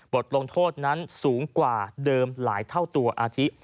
บทลงโทษนั้นสูงกว่าเดิมหลายเท่าตัวอาทิ